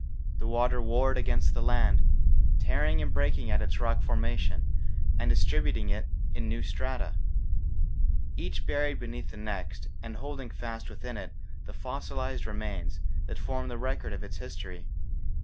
The water warred against the land, tearing and breaking at its rock formation and distributing it in new strata, each buried beneath the next and holding fast within it the fossilized remains that form the record of its history.